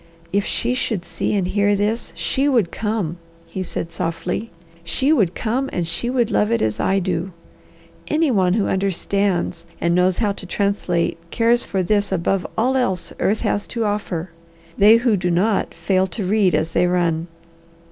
"If she could see and hear this, she would come," he said softly. "She would come and she would love it as I do. Any one who understands, and knows how to translate, cares for this above all else earth has to offer. They who do not, fail to read as they run!"